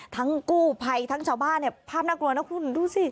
ทั้งกู้ไพท์ทั้งชาวบ้านภาพน่ากลัวนะคุณดูสิ